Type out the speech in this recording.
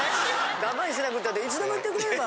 我慢しなくったっていつでも言ってくれれば。